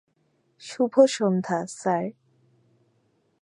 শুভ সন্ধ্যা, স্যার।